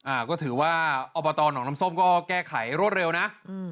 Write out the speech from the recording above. อ่าก็ถือว่าอบตหนองน้ำส้มก็แก้ไขรวดเร็วนะอืม